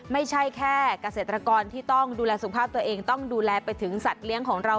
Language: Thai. ไม่ใช่แค่เกษตรกรที่ต้องดูแลสุขภาพตัวเองต้องดูแลไปถึงสัตว์เลี้ยงของเรา